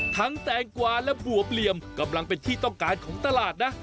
แตงกวาและบัวเปลี่ยมกำลังเป็นที่ต้องการของตลาดนะ